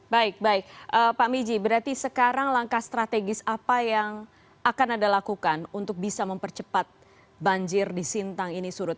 baik baik pak miji berarti sekarang langkah strategis apa yang akan anda lakukan untuk bisa mempercepat banjir di sintang ini surut